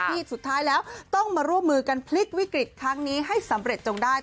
ที่สุดท้ายแล้วต้องมาร่วมมือกันพลิกวิกฤตครั้งนี้ให้สำเร็จจงได้